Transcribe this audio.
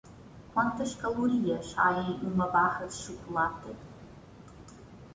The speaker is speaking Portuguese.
Quantas calorias há em uma barra de chocolate?